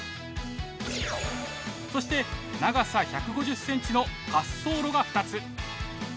そして長さ１５０センチの滑走路が２つ。